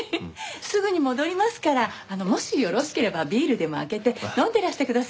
すぐに戻りますからもしよろしければビールでも開けて飲んでいらしてください。